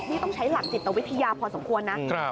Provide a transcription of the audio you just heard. ต้องใช้หลักจิตวิทยาพอสมควรนะ